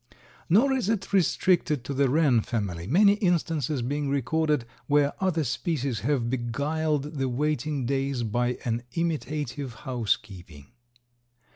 Nor is it restricted to the wren family, many instances being recorded where other species have beguiled the waiting days by an imitative housekeeping.